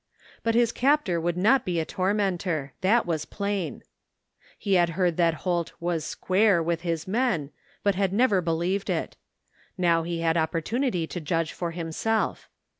But his captor would not be a tormentor. That was plain. He had heard that Holt was " square " with his men, but had never believed it. Now he had opportimity to judge for himself.